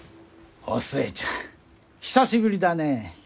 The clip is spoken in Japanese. お寿恵ちゃん久しぶりだねえ！